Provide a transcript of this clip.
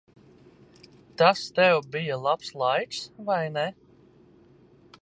Tas tev bija labs laiks, vai ne?